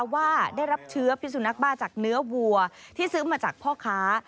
ว่าได้รับเชื้อพิสุนักบ้าจากเนื้อวัวที่ซื้อมาจากพ่อค้า